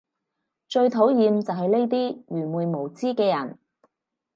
最討厭就係呢啲愚昧無知嘅人